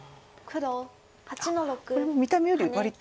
あっこれ見た目より割と。